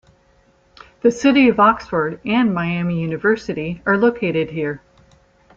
The city of Oxford and Miami University are located here.